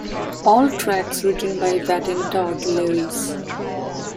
All tracks written by Vaden Todd Lewis.